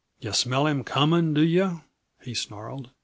Yuh smell him coming, do yuh?" he snarled.